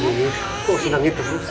kok senang gitu